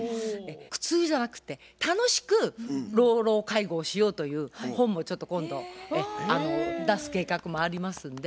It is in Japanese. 苦痛じゃなくて楽しく老老介護をしようという本もちょっと今度出す計画もありますんで。